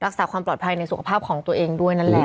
รักษาความปลอดภัยในสุขภาพของตัวเองด้วยนั่นแหละ